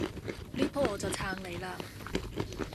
呢鋪我就撐你嘞